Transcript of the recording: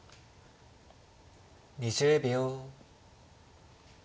２０秒。